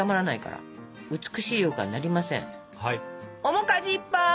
面かじいっぱい！